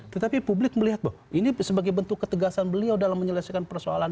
tetapi publik melihat bahwa ini sebagai bentuk ketegasan beliau dalam menyelesaikan persoalan